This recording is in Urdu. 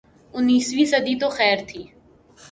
انیسویں صدی تو خیر تھی۔